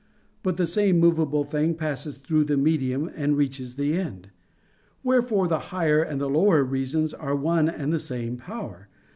But the same movable thing passes through the medium and reaches the end. Wherefore the higher and lower reasons are one and the same power.